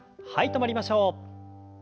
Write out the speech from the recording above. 止まりましょう。